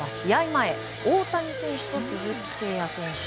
前大谷選手と鈴木選手。